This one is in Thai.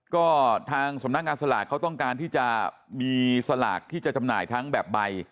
ก็ทางสำนักงานสลากเขาต้องการที่จะมีสลากที่จะจำหน่ายทั้งแบบใบ